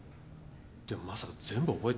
でもまさか全部覚えて？